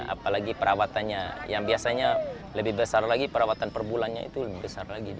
apalagi perawatannya yang biasanya lebih besar lagi perawatan perbulannya itu lebih besar lagi